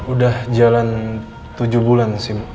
udah jalan tujuh bulan sih